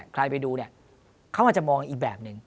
ใครไปดูเนี่ยเขาอาจจะมองอีกแบบหนึ่ง